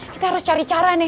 kita harus cari cara nih